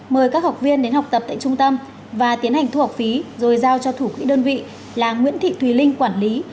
mời các học viên đến học tập tại trung tâm và tiến hành thu học phí rồi giao cho thủ quỹ đơn vị là nguyễn thị thùy linh quản lý